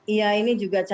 iya ini juga cekat